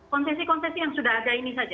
konsesi konsesi yang sudah ada ini saja